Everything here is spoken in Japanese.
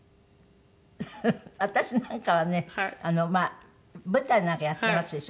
私なんかはねまあ舞台なんかやってますでしょ。